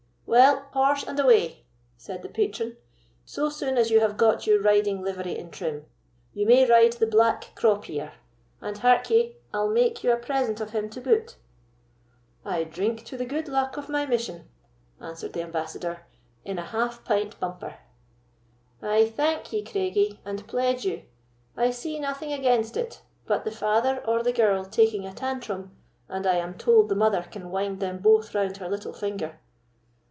"Well, horse and away!" said the patron, "so soon as you have got your riding livery in trim. You may ride the black crop ear; and, hark ye, I'll make you a present of him to boot." "I drink to the good luck of my mission," answered the ambassador, "in a half pint bumper." "I thank ye, Craigie, and pledge you; I see nothing against it but the father or the girl taking a tantrum, and I am told the mother can wind them both round her little finger.